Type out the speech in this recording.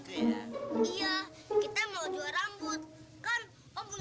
iya kita mau jual rambut kan